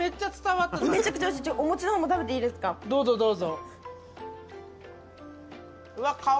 お餅の方も食べていいですか。